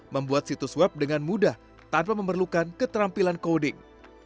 membuat situs web dengan mudah tanpa memerlukan keterampilan coding